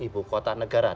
ibu kota negara